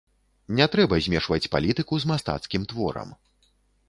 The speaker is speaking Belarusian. Не трэба змешваць палітыку з мастацкім творам.